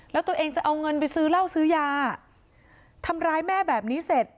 แล้วตัวเองจะเอาเงินไปซื้อเหล้าซื้อยาทำร้ายแม่แบบนี้เสร็จ